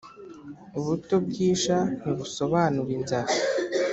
Ubuto bw’isha ntibusobanura inzara.